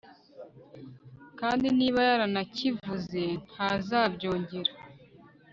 kandi niba yaranakivuze, ntazabyongera